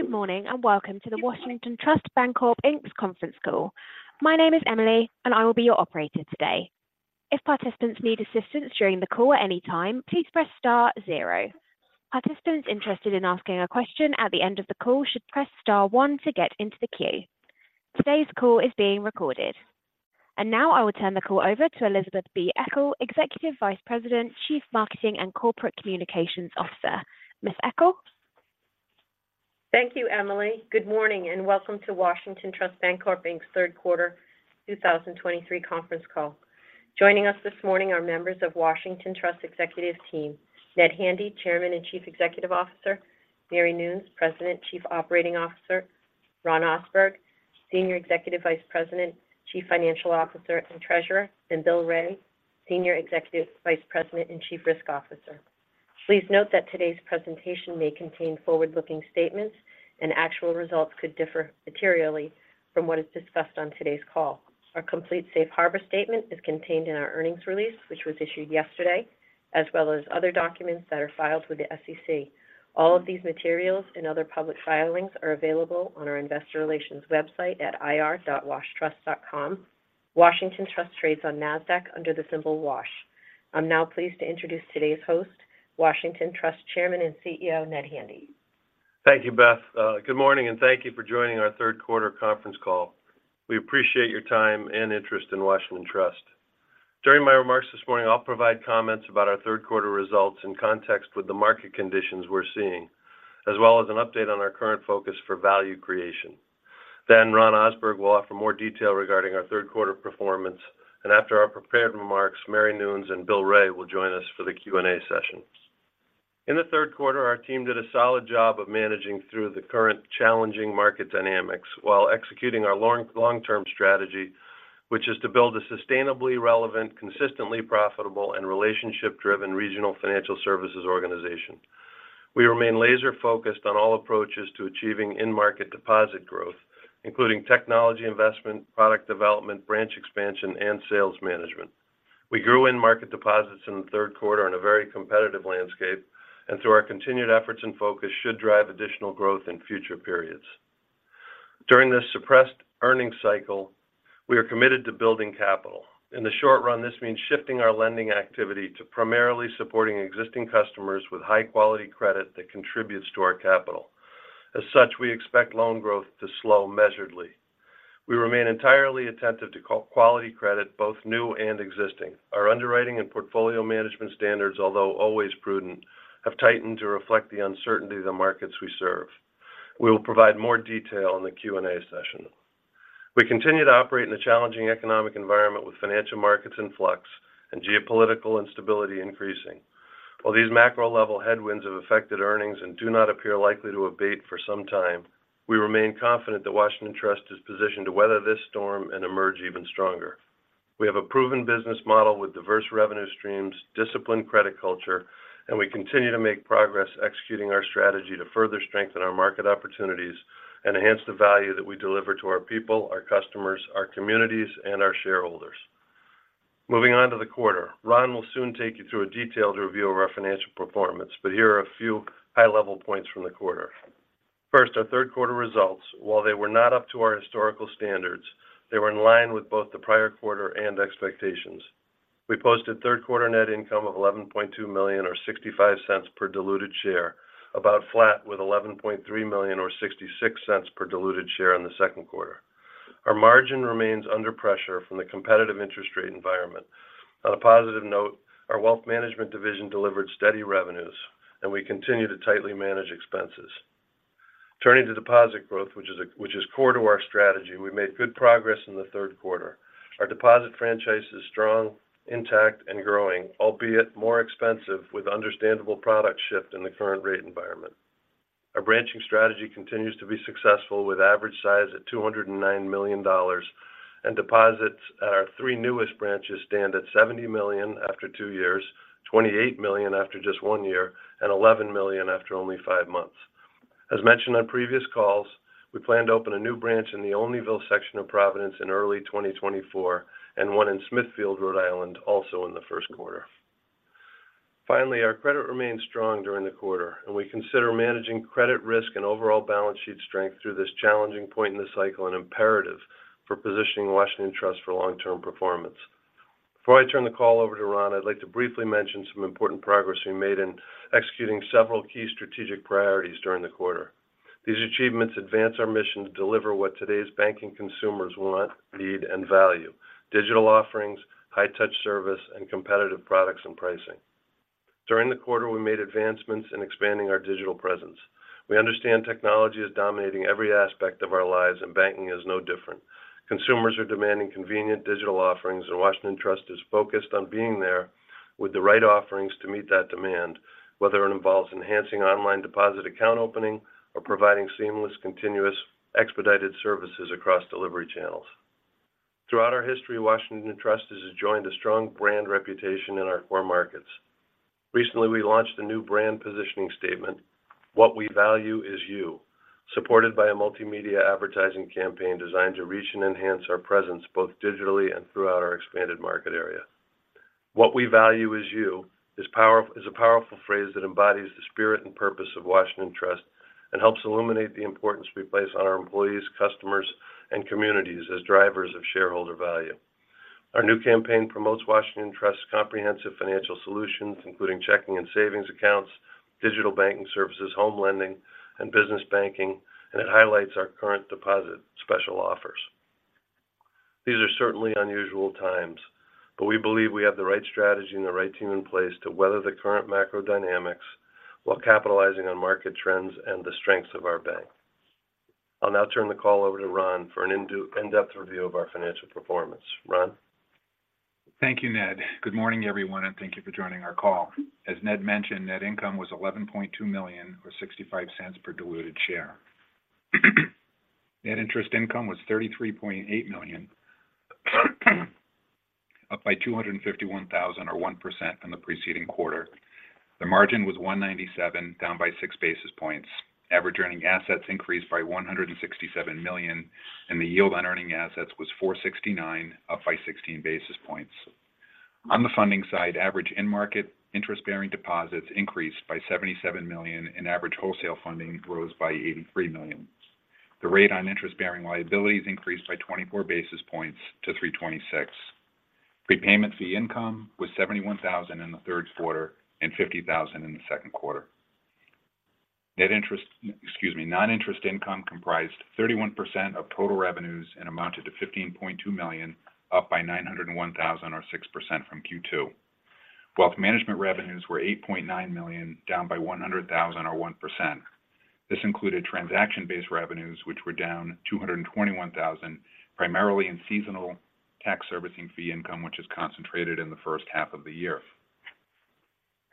Good morning, and welcome to the Washington Trust Bancorp, Inc.'s Conference Call. My name is Emily, and I will be your operator today. If participants need assistance during the call at any time, please press star zero. Participants interested in asking a question at the end of the call should press star one to get into the queue. Today's call is being recorded. Now I will turn the call over to Elizabeth B. Eckel, Executive Vice President, Chief Marketing and Corporate Communications Officer. Ms. Eckel? Thank you, Emily. Good morning, and welcome to Washington Trust Bancorp, Inc.'s Third Quarter 2023 Conference Call. Joining us this morning are members of Washington Trust executive team, Ned Handy, Chairman and Chief Executive Officer; Mary Noons, President, Chief Operating Officer; Ron Ohsberg, Senior Executive Vice President, Chief Financial Officer, and Treasurer; and Bill Wray, Senior Executive Vice President and Chief Risk Officer. Please note that today's presentation may contain forward-looking statements, and actual results could differ materially from what is discussed on today's call. Our complete safe harbor statement is contained in our earnings release, which was issued yesterday, as well as other documents that are filed with the SEC. All of these materials and other public filings are available on our investor relations website at ir.washtrust.com. Washington Trust trades on NASDAQ under the symbol WASH. I'm now pleased to introduce today's host, Washington Trust Chairman and CEO, Ned Handy. Thank you, Beth. Good morning, and thank you for joining our third quarter conference call. We appreciate your time and interest in Washington Trust. During my remarks this morning, I'll provide comments about our third quarter results in context with the market conditions we're seeing, as well as an update on our current focus for value creation. Then Ron Ohsberg will offer more detail regarding our third quarter performance, and after our prepared remarks, Mary Noons and Bill Wray will join us for the Q&A session. In the third quarter, our team did a solid job of managing through the current challenging market dynamics while executing our long, long-term strategy, which is to build a sustainably relevant, consistently profitable, and relationship-driven regional financial services organization. We remain laser-focused on all approaches to achieving in-market deposit growth, including technology investment, product development, branch expansion, and sales management. We grew in-market deposits in the third quarter in a very competitive landscape, and so our continued efforts and focus should drive additional growth in future periods. During this suppressed earnings cycle, we are committed to building capital. In the short run, this means shifting our lending activity to primarily supporting existing customers with high-quality credit that contributes to our capital. As such, we expect loan growth to slow moderately. We remain entirely attentive to high-quality credit, both new and existing. Our underwriting and portfolio management standards, although always prudent, have tightened to reflect the uncertainty of the markets we serve. We will provide more detail in the Q&A session. We continue to operate in a challenging economic environment with financial markets in flux and geopolitical instability increasing. While these macro-level headwinds have affected earnings and do not appear likely to abate for some time, we remain confident that Washington Trust is positioned to weather this storm and emerge even stronger. We have a proven business model with diverse revenue streams, disciplined credit culture, and we continue to make progress executing our strategy to further strengthen our market opportunities and enhance the value that we deliver to our people, our customers, our communities, and our shareholders. Moving on to the quarter. Ron will soon take you through a detailed review of our financial performance, but here are a few high-level points from the quarter. First, our third quarter results. While they were not up to our historical standards, they were in line with both the prior quarter and expectations. We posted third quarter net income of $11.2 million or $0.65 per diluted share, about flat with $11.3 million or $0.66 per diluted share in the second quarter. Our margin remains under pressure from the competitive interest rate environment. On a positive note, our wealth management division delivered steady revenues, and we continue to tightly manage expenses. Turning to deposit growth, which is core to our strategy, we made good progress in the third quarter. Our deposit franchise is strong, intact, and growing, albeit more expensive, with understandable product shift in the current rate environment. Our branching strategy continues to be successful, with average size at $209 million, and deposits at our three newest branches stand at $70 million after two years, $28 million after just one year, and $11 million after only five months. As mentioned on previous calls, we plan to open a new branch in the Olneyville section of Providence in early 2024 and one in Smithfield, Rhode Island, also in the first quarter. Finally, our credit remains strong during the quarter, and we consider managing credit risk and overall balance sheet strength through this challenging point in the cycle an imperative for positioning Washington Trust for long-term performance. Before I turn the call over to Ron, I'd like to briefly mention some important progress we made in executing several key strategic priorities during the quarter. These achievements advance our mission to deliver what today's banking consumers want, need, and value: digital offerings, high-touch service, and competitive products and pricing. During the quarter, we made advancements in expanding our digital presence. We understand technology is dominating every aspect of our lives, and banking is no different. Consumers are demanding convenient digital offerings, and Washington Trust is focused on being there with the right offerings to meet that demand, whether it involves enhancing online deposit account opening or providing seamless, continuous, expedited services across delivery channels. Throughout our history, Washington Trust has enjoyed a strong brand reputation in our core markets. Recently, we launched a new brand positioning statement, "What We Value Is You," supported by a multimedia advertising campaign designed to reach and enhance our presence, both digitally and throughout our expanded market area.... What we value is you, is powerful-- is a powerful phrase that embodies the spirit and purpose of Washington Trust and helps illuminate the importance we place on our employees, customers, and communities as drivers of shareholder value. Our new campaign promotes Washington Trust's comprehensive financial solutions, including checking and savings accounts, digital banking services, home lending, and business banking, and it highlights our current deposit special offers. These are certainly unusual times, but we believe we have the right strategy and the right team in place to weather the current macro dynamics while capitalizing on market trends and the strengths of our bank. I'll now turn the call over to Ron for an in-depth review of our financial performance. Ron? Thank you, Ned. Good morning, everyone, and thank you for joining our call. As Ned mentioned, net income was $11.2 million or $0.65 per diluted share. Net interest income was $33.8 million, up by $251,000 or 1% from the preceding quarter. The margin was 1.97%, down by 6 basis points. Average earning assets increased by $167 million, and the yield on earning assets was 4.69%, up by 16 basis points. On the funding side, average in-market interest-bearing deposits increased by $77 million, and average wholesale funding rose by $83 million. The rate on interest-bearing liabilities increased by 24 basis points to 3.26%. Prepayment fee income was $71,000 in the third quarter and $50,000 in the second quarter. Net interest-- excuse me, non-interest income comprised 31% of total revenues and amounted to $15.2 million, up by $901,000, or 6% from Q2. Wealth management revenues were $8.9 million, down by $100,000 or 1%. This included transaction-based revenues, which were down $221,000, primarily in seasonal tax servicing fee income, which is concentrated in the first half of the year.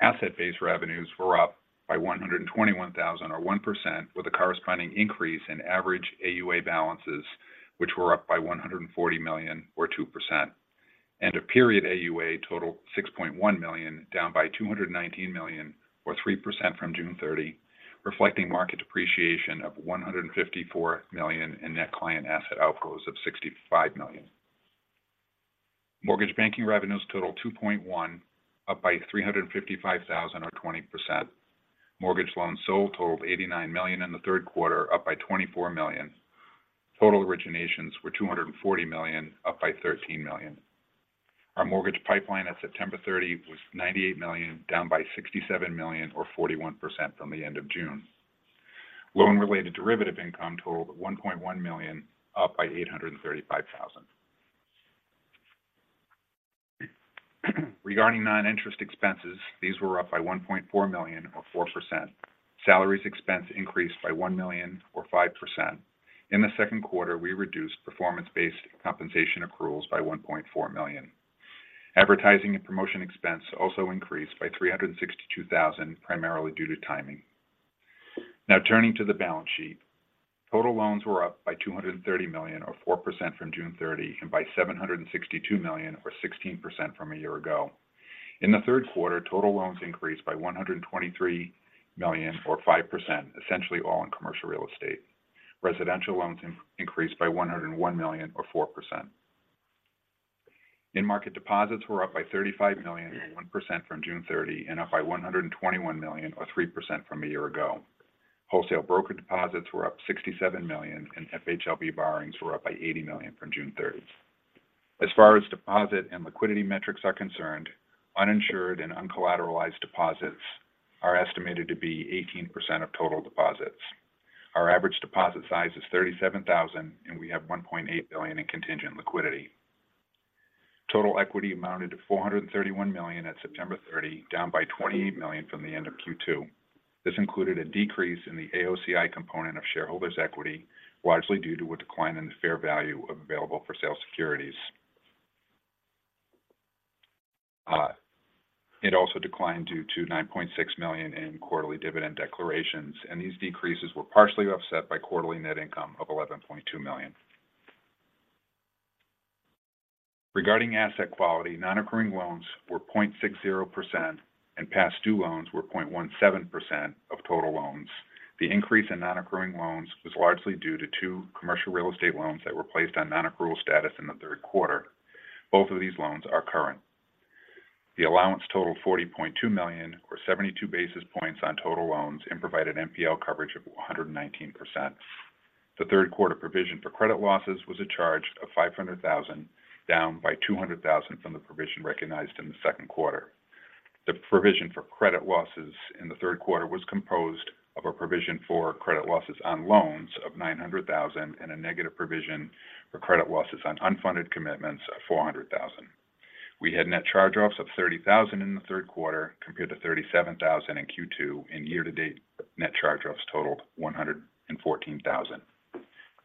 Asset-based revenues were up by $121,000, or 1%, with a corresponding increase in average AUA balances, which were up by $140 million or 2%. End-of-period AUA totaled $6.1 billion, down by $219 million or 3% from June 30, reflecting market depreciation of $154 million and net client asset outflows of $65 million. Mortgage banking revenues totaled $2.1 million, up by $355,000 or 20%. Mortgage loans sold totaled $89 million in the third quarter, up by $24 million. Total originations were $240 million, up by $13 million. Our mortgage pipeline at September 30 was $98 million, down by $67 million or 41% from the end of June. Loan-related derivative income totaled $1.1 million, up by $835,000. Regarding non-interest expenses, these were up by $1.4 million or 4%. Salaries expense increased by $1 million or 5%. In the second quarter, we reduced performance-based compensation accruals by $1.4 million. Advertising and promotion expense also increased by $362,000, primarily due to timing. Now, turning to the balance sheet. Total loans were up by $230 million, or 4% from June 30, and by $762 million, or 16% from a year ago. In the third quarter, total loans increased by $123 million or 5%, essentially all in commercial real estate. Residential loans increased by $101 million or 4%. In-market deposits were up by $35 million, or 1% from June 30, and up by $121 million, or 3% from a year ago. Wholesale broker deposits were up $67 million, and FHLB borrowings were up by $80 million from June 30. As far as deposit and liquidity metrics are concerned, uninsured and uncollateralized deposits are estimated to be 18% of total deposits. Our average deposit size is $37,000, and we have $1.8 billion in contingent liquidity. Total equity amounted to $431 million at September 30, down by $28 million from the end of Q2. This included a decrease in the AOCI component of shareholders' equity, largely due to a decline in the fair value of available-for-sale securities. It also declined due to $9.6 million in quarterly dividend declarations, and these decreases were partially offset by quarterly net income of $11.2 million. Regarding asset quality, non-accruing loans were 0.60%, and past due loans were 0.17% of total loans. The increase in non-accruing loans was largely due to 2 commercial real estate loans that were placed on non-accrual status in the third quarter. Both of these loans are current. The allowance totaled $40.2 million, or 72 basis points on total loans, and provided NPL coverage of 119%. The third quarter provision for credit losses was a charge of $500,000, down by $200,000 from the provision recognized in the second quarter. The provision for credit losses in the third quarter was composed of a provision for credit losses on loans of $900,000 and a negative provision for credit losses on unfunded commitments of $400,000. We had net charge-offs of $30,000 in the third quarter, compared to $37,000 in Q2, and year-to-date net charge-offs totaled $114,000.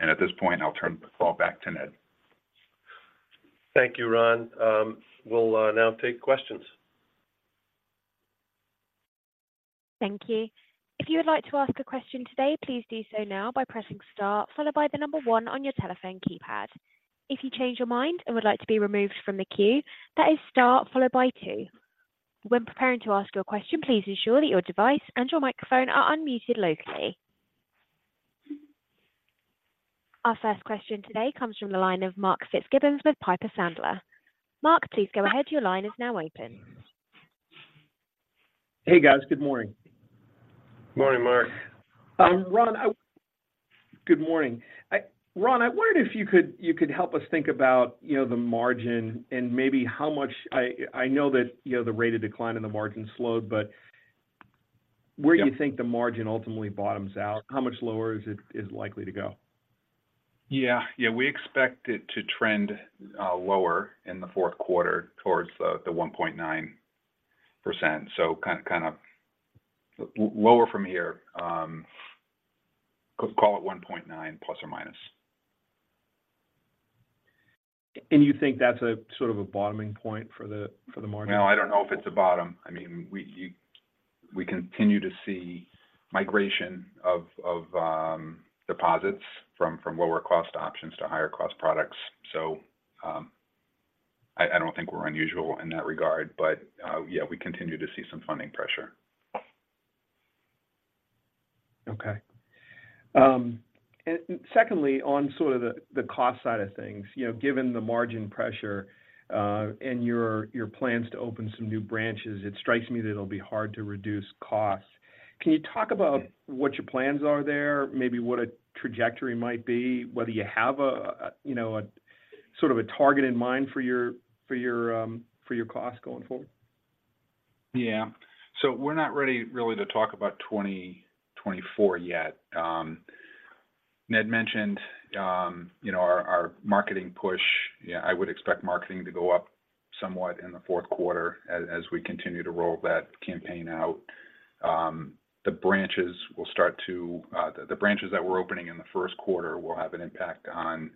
At this point, I'll turn the call back to Ned. Thank you, Ron. We'll now take questions. Thank you. If you would like to ask a question today, please do so now by pressing star, followed by the number one on your telephone keypad. If you change your mind and would like to be removed from the queue, that is star followed by two. When preparing to ask your question, please ensure that your device and your microphone are unmuted locally.... Our first question today comes from the line of Mark Fitzgibbon with Piper Sandler. Mark, please go ahead. Your line is now open. Hey, guys. Good morning. Morning, Mark. Ron, good morning. Ron, I wondered if you could help us think about, you know, the margin and maybe how much—I know that, you know, the rate of decline in the margin slowed, but- Yeah. Where do you think the margin ultimately bottoms out? How much lower is it likely to go? Yeah. Yeah, we expect it to trend lower in the fourth quarter towards the 1.9%. So kind of lower from here. Call it 1.9 ,plus or minus. You think that's a sort of a bottoming point for the, for the margin? No, I don't know if it's a bottom. I mean, we continue to see migration of deposits from lower-cost options to higher-cost products. So, I don't think we're unusual in that regard, but, yeah, we continue to see some funding pressure. Okay. And secondly, on sort of the cost side of things, you know, given the margin pressure, and your plans to open some new branches, it strikes me that it'll be hard to reduce costs. Can you talk about what your plans are there? Maybe what a trajectory might be, whether you have a you know, a sort of a target in mind for your costs going forward? Yeah. So we're not ready really to talk about 2024 yet. Ned mentioned, you know, our, our marketing push. Yeah, I would expect marketing to go up somewhat in the fourth quarter as, as we continue to roll that campaign out. The branches that we're opening in the first quarter will have an impact on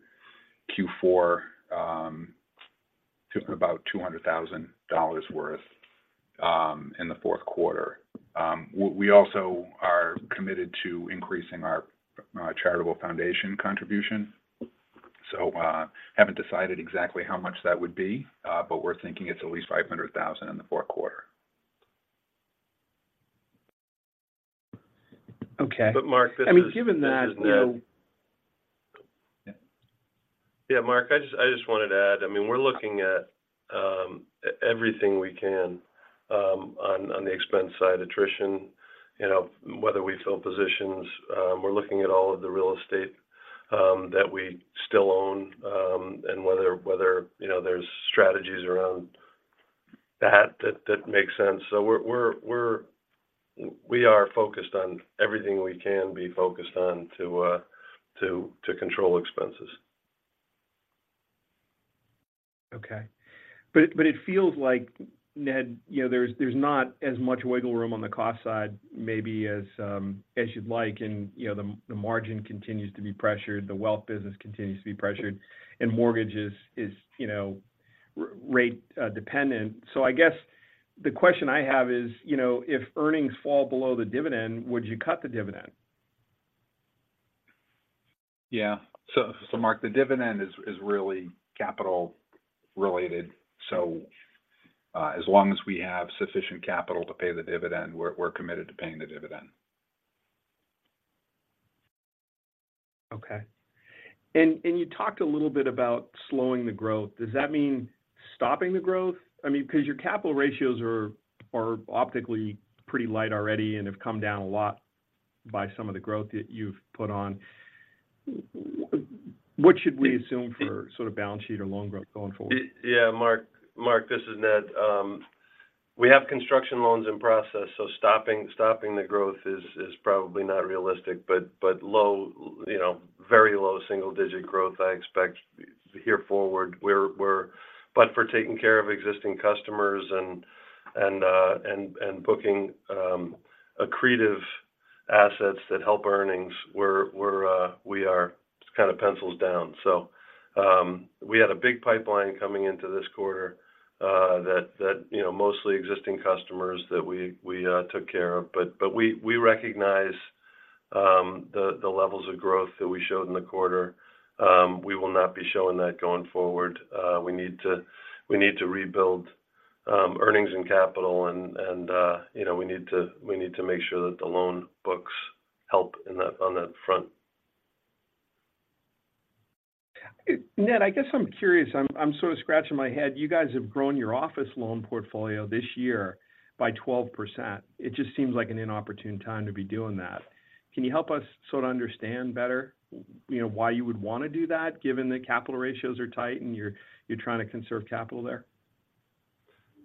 Q4, to about $200,000 worth, in the fourth quarter. We also are committed to increasing our, charitable foundation contribution. So, haven't decided exactly how much that would be, but we're thinking it's at least $500,000 in the fourth quarter. Okay. But Mark, this is- I mean, given that, you know- Yeah, Mark, I just wanted to add, I mean, we're looking at everything we can on the expense side. Attrition, you know, whether we fill positions, we're looking at all of the real estate that we still own, and whether, you know, there's strategies around that that make sense. So we are focused on everything we can be focused on to control expenses. Okay. But it feels like, Ned, you know, there's not as much wiggle room on the cost side, maybe as you'd like, and, you know, the margin continues to be pressured, the wealth business continues to be pressured, and mortgages is, you know, rate dependent. So I guess the question I have is, you know, if earnings fall below the dividend, would you cut the dividend? Yeah. So, Mark, the dividend is really capital related, so, as long as we have sufficient capital to pay the dividend, we're committed to paying the dividend. Okay. And you talked a little bit about slowing the growth. Does that mean stopping the growth? I mean, because your capital ratios are optically pretty light already and have come down a lot by some of the growth that you've put on. What should we assume for sort of balance sheet or loan growth going forward? Yeah, Mark. Mark, this is Ned. We have construction loans in process, so stopping the growth is probably not realistic, but low, you know, very low single-digit growth I expect here forward. But for taking care of existing customers and booking accretive assets that help earnings, we are just kind of pencils down. So, we had a big pipeline coming into this quarter that, you know, mostly existing customers that we took care of. But we recognize the levels of growth that we showed in the quarter. We will not be showing that going forward. We need to, we need to rebuild earnings and capital and, and, you know, we need to, we need to make sure that the loan books help in that—on that front. Ned, I guess I'm curious. I'm sort of scratching my head. You guys have grown your office loan portfolio this year by 12%. It just seems like an inopportune time to be doing that. Can you help us sort of understand better, you know, why you would want to do that, given the capital ratios are tight and you're trying to conserve capital there?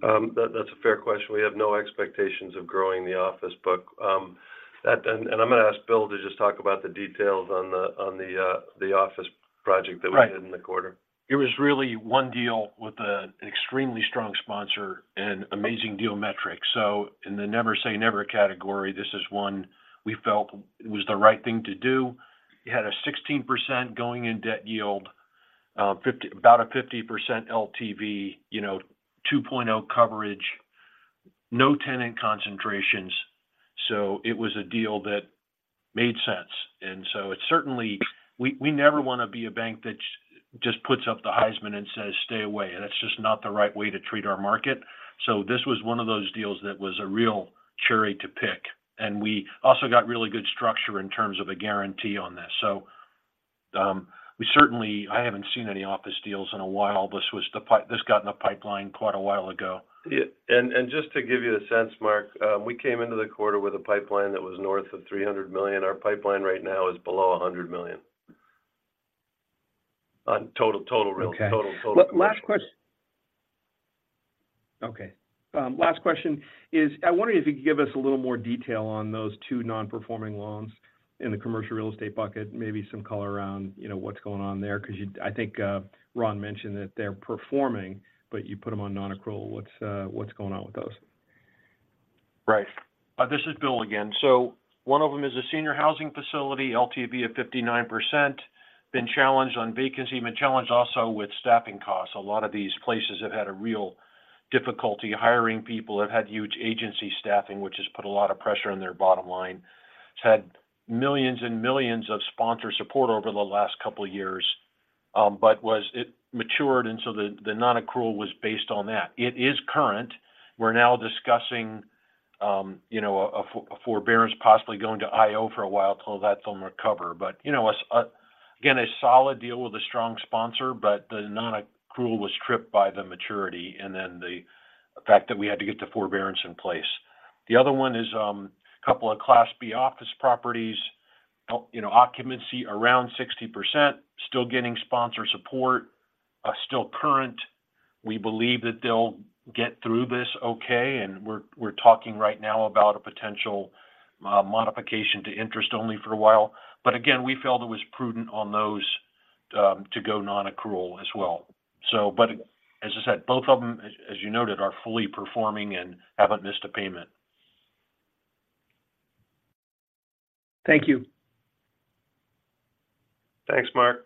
That's a fair question. We have no expectations of growing the office book. I'm going to ask Bill to just talk about the details on the office project- Right that we did in the quarter. It was really one deal with an extremely strong sponsor and amazing deal metrics. So in the never-say-never category, this is one we felt it was the right thing to do. It had a 16% going in debt yield, about a 50% LTV, you know, 2.0 coverage, no tenant concentrations. So it was a deal that made sense. And so it's certainly—we never want to be a bank that's-... just puts up the Heisman and says, "Stay away." And that's just not the right way to treat our market. So this was one of those deals that was a real cherry to pick, and we also got really good structure in terms of a guarantee on this. So, we certainly—I haven't seen any office deals in a while. This got in the pipeline quite a while ago. Yeah. And just to give you a sense, Mark, we came into the quarter with a pipeline that was north of $300 million. Our pipeline right now is below $100 million. On total real- Okay. Last question. Okay, last question is, I wonder if you could give us a little more detail on those two non-performing loans in the commercial real estate bucket, maybe some color around, you know, what's going on there, 'cause you, I think, Ron mentioned that they're performing, but you put them on nonaccrual. What's, what's going on with those? Right. This is Bill again. One of them is a senior housing facility, LTV of 59%, been challenged on vacancy, been challenged also with staffing costs. A lot of these places have had a real difficulty hiring people, have had huge agency staffing, which has put a lot of pressure on their bottom line. It's had millions and millions of sponsor support over the last couple of years, but was it matured, and the nonaccrual was based on that. It is current. We're now discussing, you know, a forbearance, possibly going to IO for a while till that's on recover. You know, again, a solid deal with a strong sponsor, but the nonaccrual was tripped by the maturity and then the fact that we had to get the forbearance in place. The other one is, a couple of Class B office properties. You know, occupancy around 60%, still getting sponsor support, still current. We believe that they'll get through this okay, and we're, we're talking right now about a potential, modification to interest only for a while. But again, we felt it was prudent on those, to go nonaccrual as well. So but as I said, both of them, as, as you noted, are fully performing and haven't missed a payment. Thank you. Thanks, Mark.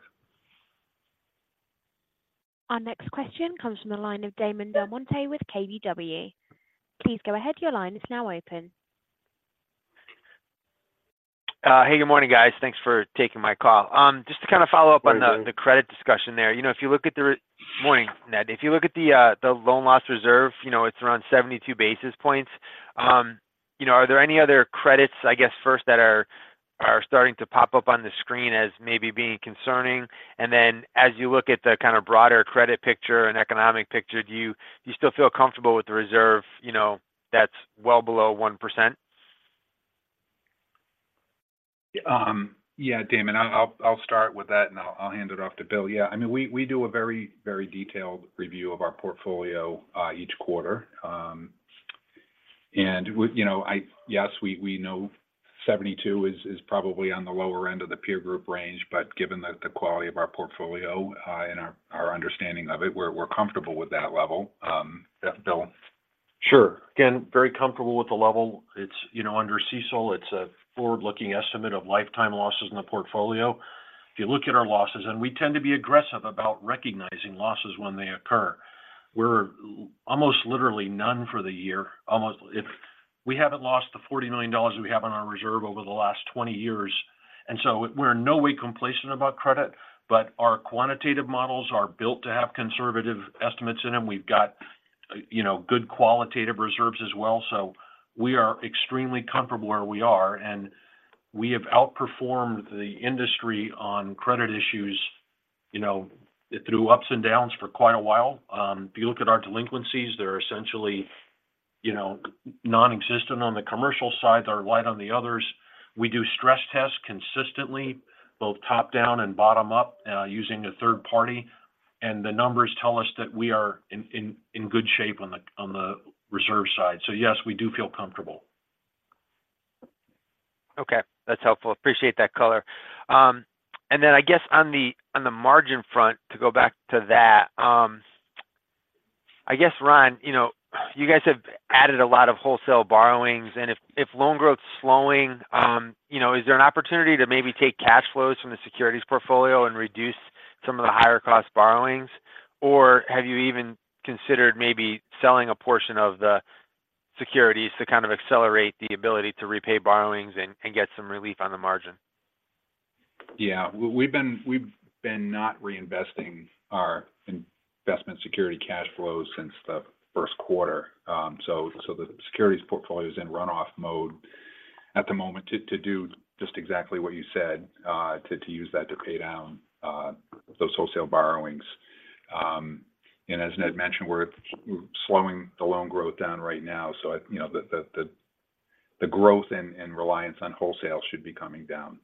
Our next question comes from the line of Damon DelMonte with KBW.Please go ahead. Your line is now open. Hey, good morning, guys. Thanks for taking my call. Just to kind of follow up on the- Good morning... the credit discussion there. You know, if you look at the—Morning, Ned. If you look at the loan loss reserve, you know, it's around 72 basis points. You know, are there any other credits, I guess, first, that are starting to pop up on the screen as maybe being concerning? And then as you look at the kind of broader credit picture and economic picture, do you still feel comfortable with the reserve, you know, that's well below 1%? Yeah, Damon, I'll start with that, and I'll hand it off to Bill. Yeah, I mean, we do a very, very detailed review of our portfolio each quarter. You know, yes, we know 72 is probably on the lower end of the peer group range, but given the quality of our portfolio and our understanding of it, we're comfortable with that level. Yeah, Bill? Sure. Again, very comfortable with the level. It's, you know, under CECL, it's a forward-looking estimate of lifetime losses in the portfolio. If you look at our losses, and we tend to be aggressive about recognizing losses when they occur, we're almost literally none for the year. We haven't lost the $40 million we have on our reserve over the last 20 years, and so we're in no way complacent about credit, but our quantitative models are built to have conservative estimates in them. We've got, you know, good qualitative reserves as well, so we are extremely comfortable where we are, and we have outperformed the industry on credit issues, you know, through ups and downs for quite a while. If you look at our delinquencies, they're essentially, you know, nonexistent on the commercial side, are light on the others. We do stress tests consistently, both top down and bottom up, using a third party, and the numbers tell us that we are in good shape on the reserve side. So yes, we do feel comfortable. Okay, that's helpful. Appreciate that color. And then I guess on the, on the margin front, to go back to that, I guess, Ron, you know, you guys have added a lot of wholesale borrowings, and if, if loan growth is slowing, you know, is there an opportunity to maybe take cash flows from the securities portfolio and reduce some of the higher cost borrowings? Or have you even considered maybe selling a portion of the securities to kind of accelerate the ability to repay borrowings and, and get some relief on the margin? Yeah. We've been not reinvesting our investment security cash flows since the first quarter. So the securities portfolio is in runoff mode at the moment to do just exactly what you said, to use that to pay down those wholesale borrowings. And as Ned mentioned, we're slowing the loan growth down right now, so you know, the growth and reliance on wholesale should be coming down.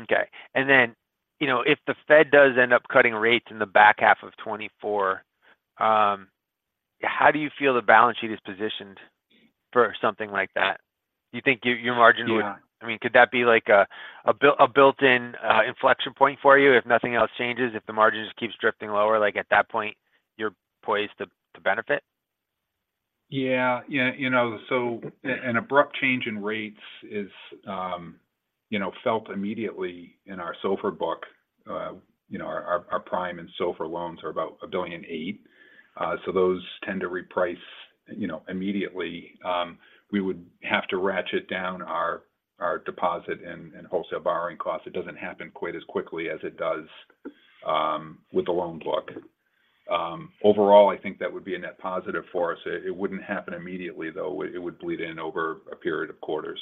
Okay. And then, you know, if the Fed does end up cutting rates in the back half of 2024, how do you feel the balance sheet is positioned for something like that? You think your, your margin would- Yeah. I mean, could that be like a built-in inflection point for you if nothing else changes, if the margin just keeps drifting lower, like at that point, you're poised to benefit. Yeah. Yeah, you know, so an abrupt change in rates is, you know, felt immediately in our SOFR book.... you know, our prime and SOFR loans are about $1.8 billion. So those tend to reprice, you know, immediately. We would have to ratchet down our deposit and wholesale borrowing costs. It doesn't happen quite as quickly as it does with the loan book. Overall, I think that would be a net positive for us. It wouldn't happen immediately, though. It would bleed in over a period of quarters.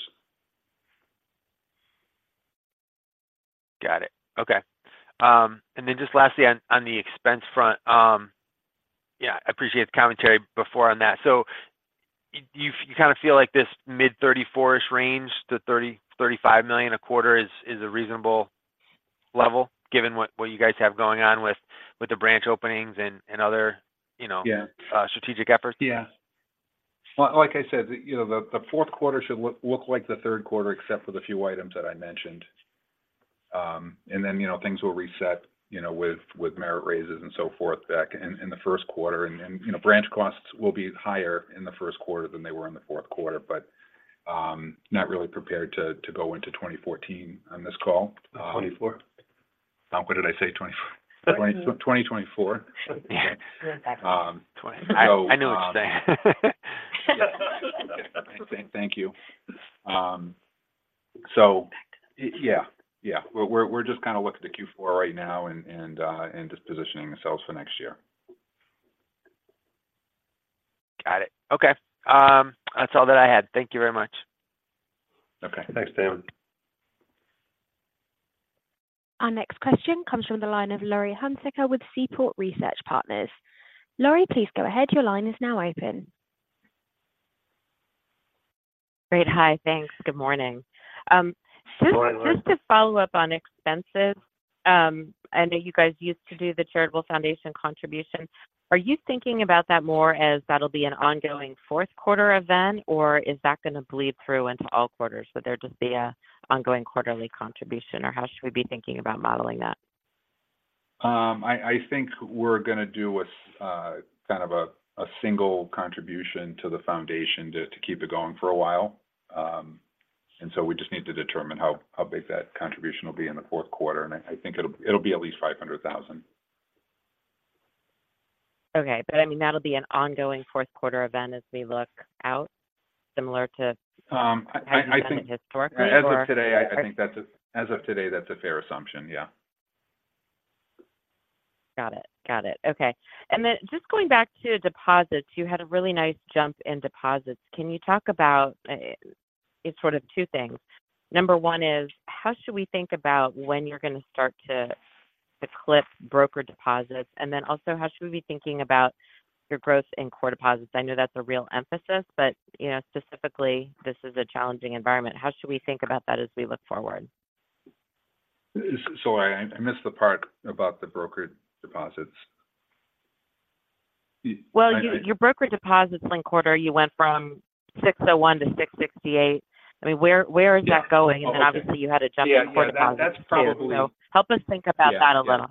Got it. Okay. And then just lastly, on the expense front, yeah, I appreciate the commentary before on that. So you kind of feel like this mid-$34-ish range to $30-$35 million a quarter is a reasonable level, given what you guys have going on with the branch openings and other, you know- Yeah strategic efforts? Yeah. Well, like I said, you know, the fourth quarter should look like the third quarter, except for the few items that I mentioned. And then, you know, things will reset, you know, with merit raises and so forth back in the first quarter. And then, you know, branch costs will be higher in the first quarter than they were in the fourth quarter, but not really prepared to go into 2014 on this call. 2024. Oh, what did I say? 24. 20, 2024. Um- I knew what you were saying. Thank you. Back to that. Yeah. Yeah. We're just kind of looking at the Q4 right now and just positioning ourselves for next year. Got it. Okay. That's all that I had. Thank you very much. Okay. Thanks, Damon. Our next question comes from the line of Laurie Hunsicker with Seaport Research Partners. Laurie, please go ahead. Your line is now open. Great. Hi, thanks. Good morning. Good morning, Laurie. Just to follow up on expenses, I know you guys used to do the charitable foundation contribution. Are you thinking about that more as that'll be an ongoing fourth quarter event, or is that going to bleed through into all quarters, so there'd just be a ongoing quarterly contribution? Or how should we be thinking about modeling that? I think we're going to do a kind of a single contribution to the foundation to keep it going for a while. And so we just need to determine how big that contribution will be in the fourth quarter, and I think it'll be at least $500,000. Okay. But, I mean, that'll be an ongoing fourth quarter event as we look out, similar to- I think- How you've done it historically or? As of today, that's a fair assumption, yeah. Got it. Got it. Okay. And then just going back to deposits, you had a really nice jump in deposits. Can you talk about, sort of two things? Number one is, how should we think about when you're going to start to, to clip broker deposits? And then also, how should we be thinking about your growth in core deposits? I know that's a real emphasis, but, you know, specifically, this is a challenging environment. How should we think about that as we look forward? So I missed the part about the brokered deposits. Yeah, I... Well, your brokered deposits last quarter, you went from 601 to 668. I mean, where, where is that going? Yeah. Oh, okay. And then obviously, you had a jump in core deposits, too. Yeah, that's probably- Help us think about that a little.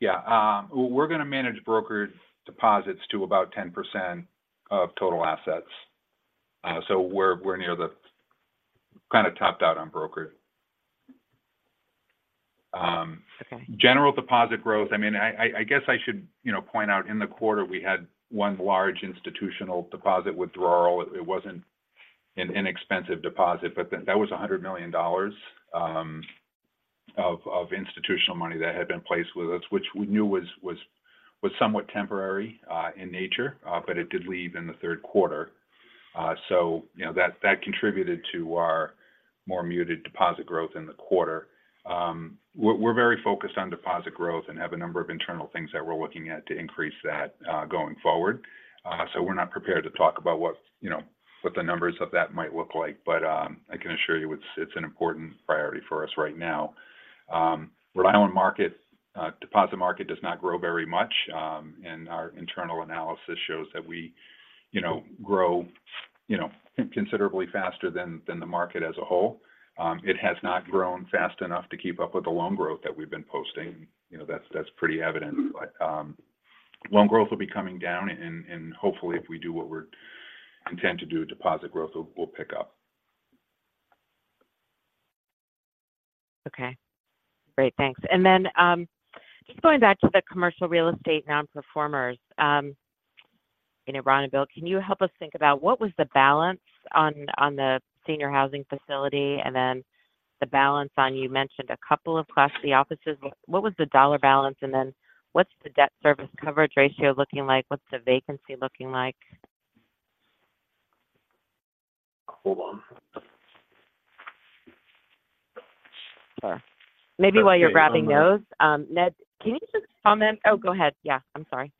Yeah. Yeah. Yeah, we're going to manage brokered deposits to about 10% of total assets. So we're near the kind of topped out on brokered. Okay. General deposit growth, I mean, I guess I should, you know, point out in the quarter, we had one large institutional deposit withdrawal. It wasn't an inexpensive deposit, but that was $100 million of institutional money that had been placed with us, which we knew was somewhat temporary in nature, but it did leave in the third quarter. So you know, that contributed to our more muted deposit growth in the quarter. We're very focused on deposit growth and have a number of internal things that we're looking at to increase that going forward. So we're not prepared to talk about what, you know, what the numbers of that might look like, but I can assure you it's an important priority for us right now. Rhode Island market, deposit market does not grow very much, and our internal analysis shows that we, you know, grow, you know, considerably faster than the market as a whole. It has not grown fast enough to keep up with the loan growth that we've been posting. You know, that's pretty evident. But, loan growth will be coming down and hopefully, if we do what we're intent to do, deposit growth will pick up. Okay. Great, thanks. And then, just going back to the commercial real estate non-performers, you know, Ron and Bill, can you help us think about what was the balance on the senior housing facility and then the balance on, you mentioned a couple of Class C offices. What was the dollar balance, and then what's the debt service coverage ratio looking like? What's the vacancy looking like? Hold on. Sure. Maybe while you're grabbing those, Ned, can you just comment? Oh, go ahead. Yeah, I'm sorry.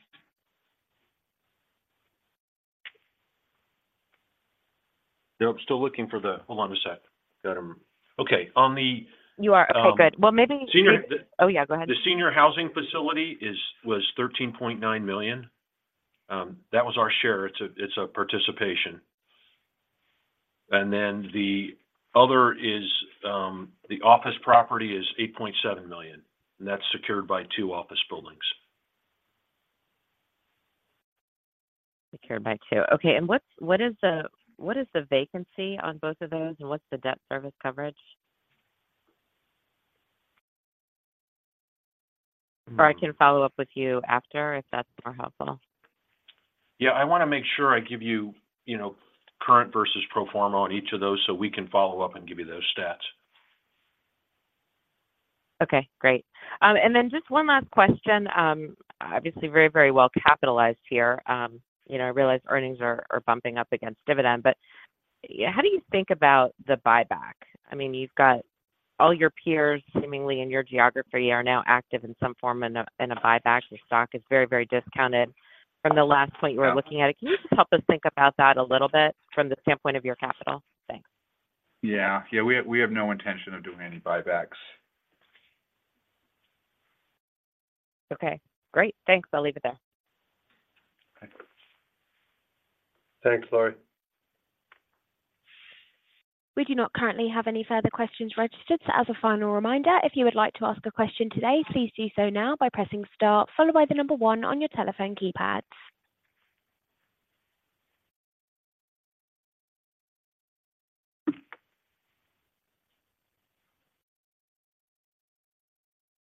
No, I'm still looking for the... Hold on a sec. Got them. Okay, on the- You are? Okay, good. Well, maybe- Senior- Oh, yeah, go ahead. The senior housing facility is, was $13.9 million. That was our share. It's a participation. And then the other is the office property is $8.7 million, and that's secured by two office buildings. ...Secured by two. Okay, and what's the vacancy on both of those, and what's the debt service coverage? Or I can follow up with you after if that's more helpful. Yeah, I want to make sure I give you, you know, current versus pro forma on each of those, so we can follow up and give you those stats. Okay, great. And then just one last question. Obviously, very, very well capitalized here. You know, I realize earnings are bumping up against dividend, but yeah, how do you think about the buyback? I mean, you've got all your peers, seemingly in your geography, are now active in some form in a buyback. Your stock is very, very discounted from the last point you were looking at. Can you just help us think about that a little bit from the standpoint of your capital? Thanks. Yeah. Yeah, we, we have no intention of doing any buybacks. Okay, great. Thanks. I'll leave it there. Thanks, Laurie. We do not currently have any further questions registered, so as a final reminder, if you would like to ask a question today, please do so now by pressing star followed by the number one on your telephone keypads.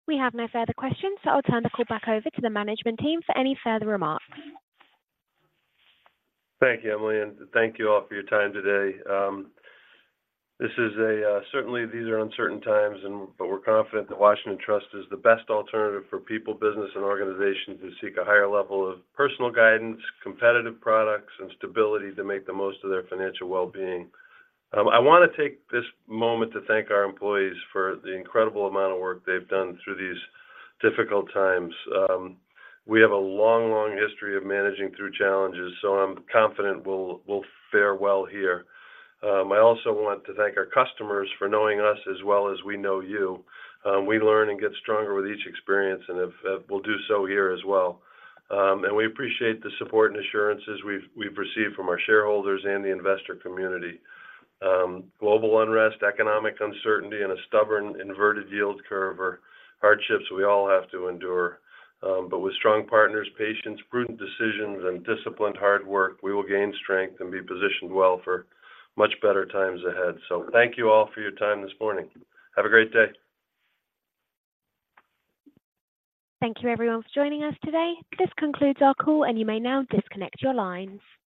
We have no further questions, so I'll turn the call back over to the management team for any further remarks. Thank you, Emily, and thank you all for your time today. This is certainly, these are uncertain times and, but we're confident that Washington Trust is the best alternative for people, business, and organizations who seek a higher level of personal guidance, competitive products, and stability to make the most of their financial well-being. I want to take this moment to thank our employees for the incredible amount of work they've done through these difficult times. We have a long, long history of managing through challenges, so I'm confident we'll fare well here. I also want to thank our customers for knowing us as well as we know you. We learn and get stronger with each experience, and we'll do so here as well. And we appreciate the support and assurances we've received from our shareholders and the investor community. Global unrest, economic uncertainty, and a stubborn inverted yield curve are hardships we all have to endure, but with strong partners, patience, prudent decisions, and disciplined hard work, we will gain strength and be positioned well for much better times ahead. Thank you all for your time this morning. Have a great day. Thank you, everyone, for joining us today. This concludes our call, and you may now disconnect your lines.